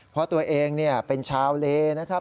เพราะตัวเองเป็นชาวเลนะครับ